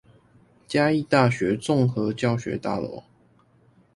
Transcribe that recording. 嘉義大學綜合教學大樓